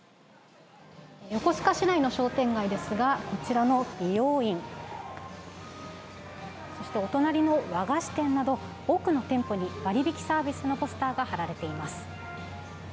横須賀市内の商店街ですがこちらの美容院そして、お隣の和菓子店など多くの店舗に割引サービスのポスターが貼られています。